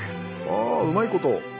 あうまいこと！